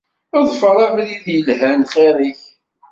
Ḍfer abrid ilhan xir-ik